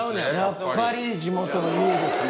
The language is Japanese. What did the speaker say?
やっぱり地元の雄ですね。